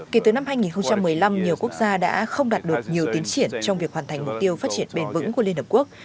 kể từ năm hai nghìn một mươi năm nhiều quốc gia đã không đạt được nhiều tiến triển trong việc hoàn thành mục tiêu phát triển bền vững của liên hợp quốc